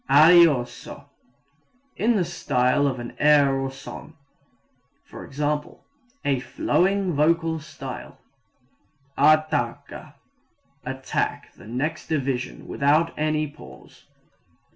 Arioso in the style of an air or song, i.e., a flowing, vocal style. Attacca attack the next division without any pause.